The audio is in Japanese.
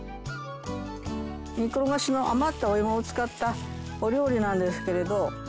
煮ころがしの余ったおいもを使ったお料理なんですけれど。